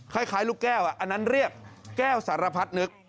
คล้ายลูกแก้วอันนั้นเรียกแก้วสารพัดนึก